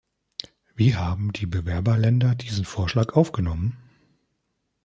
Wie haben die Bewerberländer diesen Vorschlag aufgenommen?